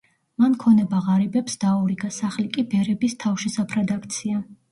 მან ქონება ღარიბებს დაურიგა, სახლი კი ბერების თავშესაფრად აქცია.